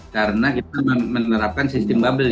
karena kita menerapkan sistem bubble